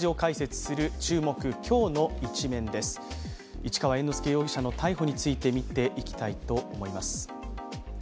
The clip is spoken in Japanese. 市川猿之助容疑者の逮捕について見ていきたいと思います。